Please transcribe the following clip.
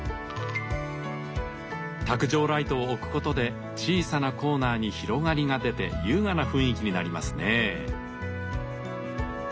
卓上ライトを置くことで小さなコーナーに広がりがでて優雅な雰囲気になりますね。